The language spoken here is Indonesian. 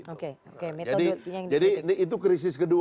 oke oke metodologinya yang dikritik